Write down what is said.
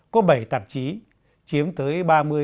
có bảy tạp chí chiếm tới ba mươi bốn